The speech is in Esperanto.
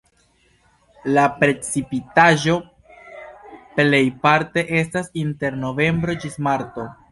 La precipitaĵo plejparte estas inter novembro ĝis marto.